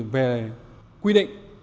về quy định